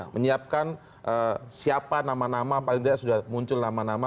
menyiapkan siapa nama nama paling tidak sudah muncul nama nama